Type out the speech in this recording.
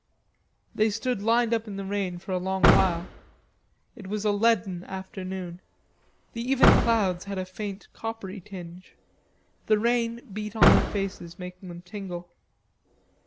They stood lined up in the rain for a long while. It was a leaden afternoon. The even clouds had a faint coppery tinge. The rain beat in their faces, making them tingle.